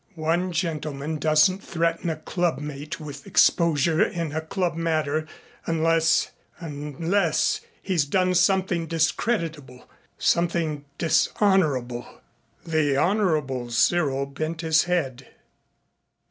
"One gentleman doesn't threaten a club mate with exposure in a club matter unless unless he has done something discreditable something dishonorable " The Honorable Cyril bent his head.